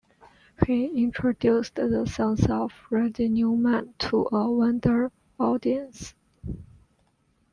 He introduced the songs of Randy Newman to a wider audience.